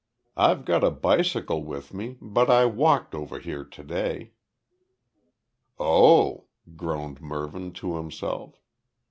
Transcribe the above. I've got a bicycle with me, but I walked over here to day." "Oh," groaned Mervyn to himself.